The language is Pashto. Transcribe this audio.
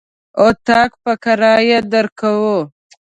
اطاق په کرايه درکوو.